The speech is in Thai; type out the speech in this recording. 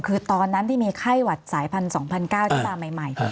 คือตอนนั้นที่มีไข้หวัดสายพันธ์๒๙๐๐ที่มาใหม่